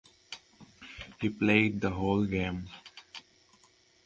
He played the whole game.